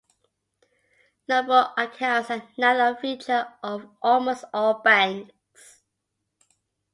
Numbered accounts are now a feature of almost all banks.